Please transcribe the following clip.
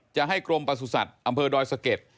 จะให้กรมประสุทธิ์อำเภอดอยสะเก็ด